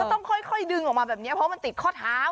ต้องค่อยดึงออกมาแบบนี้เพราะมันติดข้อเท้า